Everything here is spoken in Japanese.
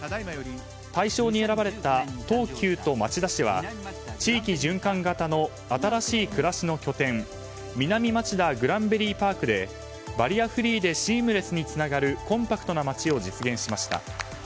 大賞に選ばれた東急と町田市は地域循環型の新しい暮らしの拠点南町田グランベリーパークでバリアフリーでシームレスにつながるコンパクトな街を実現しました。